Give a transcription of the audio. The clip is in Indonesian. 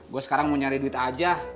gue sekarang mau nyari duit aja